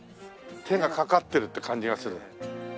手がかかってるって感じがする。